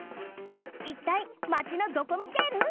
いったいマチのドコミテール？